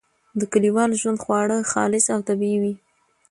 د کلیوالي ژوند خواړه خالص او طبیعي وي.